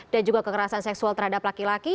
dan juga kekerasan seksual terhadap laki laki